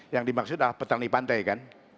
yang dimaksud adalah petani pantai kan